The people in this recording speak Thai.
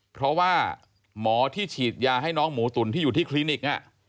เพราะว่าหมอที่ฉีดยาให้น้องหมูตุ๋นที่อยู่ที่คลินิก